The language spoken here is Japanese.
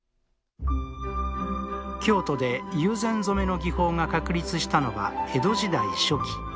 京都で友禅染の技法が確立したのは江戸時代初期。